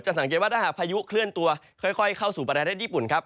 สังเกตว่าถ้าหากพายุเคลื่อนตัวค่อยเข้าสู่ประเทศญี่ปุ่นครับ